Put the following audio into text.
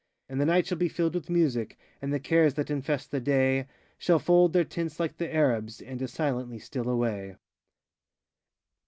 And the night shall be filled with music, And the cares that infest the day Shall fold their tents like the Arabs, And as silently steal away.